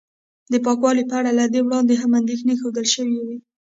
د پاکوالي په اړه له دې وړاندې هم اندېښنې ښودل شوې وې